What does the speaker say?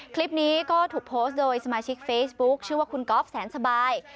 คลิปนี้ก็ถูกโพสต์โดยสมาชิกเฟซบุ๊คชื่อว่าคุณก๊อฟแสนสบาย